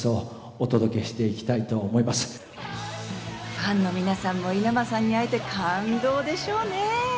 ファンの皆さんも稲葉さんに会えて感動でしょうね。